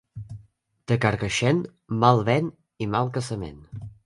De Carcaixent, mal vent i mal casament.